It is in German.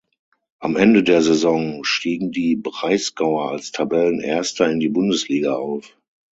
Am Ende der Saison stiegen die Breisgauer als Tabellen-Erster in die Bundesliga auf.